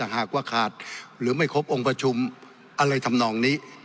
หากว่าขาดหรือไม่ครบองค์ประชุมอะไรทำนองนี้